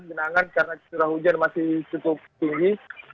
dengan angan karena cita hujan masih cukup tinggi